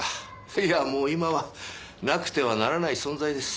いやもう今はなくてはならない存在です。